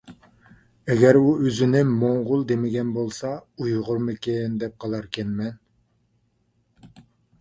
ئەگەر ئۇ ئۆزىنى موڭغۇل دېمىگەن بولسا، ئۇيغۇرمىكىن دەپ قالاركەنمەن.